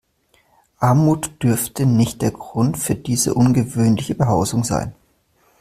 Armut dürfte nicht der Grund für diese ungewöhnliche Behausung sein.